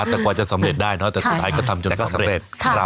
แต่กว่าจะสำเร็จได้เนอะแต่สุดท้ายก็ทำจนก็สำเร็จ